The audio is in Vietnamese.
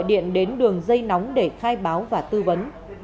đường dây nóng để khai báo và tư vấn